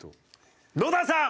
野田さん！